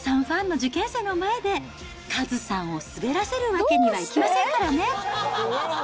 ファンの受験生の前で、カズさんをすべらせるわけにはいきませんからね。